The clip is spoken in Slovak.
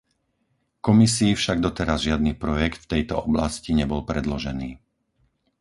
Komisii však doteraz žiadny projekt v tejto oblasti nebol predložený.